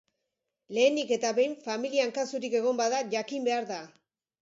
Lehenik eta behin, familian kasurik egon bada jakin behar da.